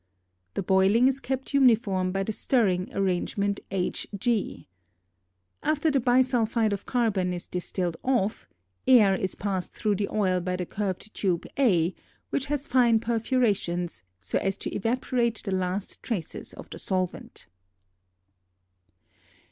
The boiling is kept uniform by the stirring arrangement hg. After the bisulphide of carbon is distilled off, air is passed through the oil by the curved tube a which has fine perforations, so as to evaporate the last traces of the solvent.